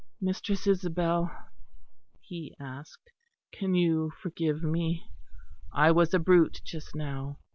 "Mistress Isabel," he asked, "can you forgive me? I was a brute just now.